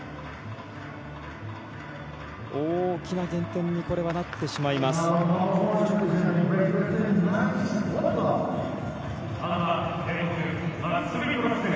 大きな減点にこれはなってしまいます。